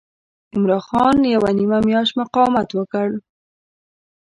عمرا خان یوه نیمه میاشت مقاومت وکړ.